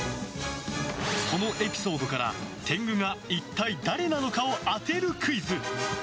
そのエピソードから、天狗が一体誰なのかを当てるクイズ。